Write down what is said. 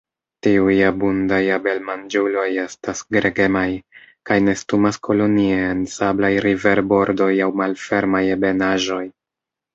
Tiuj abundaj abelmanĝuloj estas gregemaj, kaj nestumas kolonie en sablaj riverbordoj aŭ malfermaj ebenaĵoj.